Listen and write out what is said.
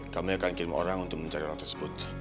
kami akan kirim orang untuk mencari orang tersebut